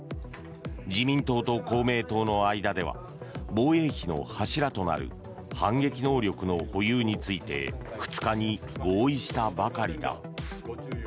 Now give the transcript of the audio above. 自民党と公明党の間では防衛費の柱となる反撃能力の保有について２日に合意したばかりだ。